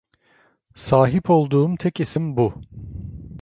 Sahip olduğum tek isim bu.